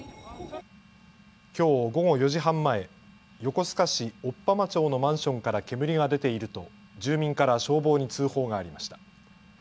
きょう午後４時半前横須賀市追浜町のマンションから煙が出ていると住民から消防に通報がありました。